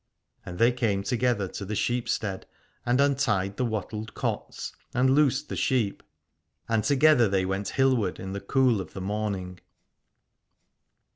And they came together to the sheepstead and untied the wattled cotes, and loosed the sheep : and together they went hillward in the cool of the morning.